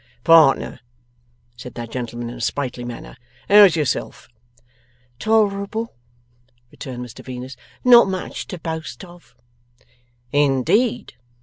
'Partner,' said that gentleman in a sprightly manner, 'how's yourself?' 'Tolerable,' returned Mr Venus. 'Not much to boast of.' 'In deed!